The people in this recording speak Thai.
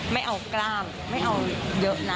ไม่เอากล้ามไม่เอาเยอะนะ